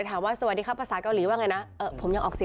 เขาฟังอีกเรื่องแต่เมื่อกี๊ผมยังพูดไม่ได้